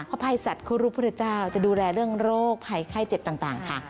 ภัยสัตว์ครูรุพุทธเจ้าจะดูแลเรื่องโรคภัยไข้เจ็บต่างค่ะ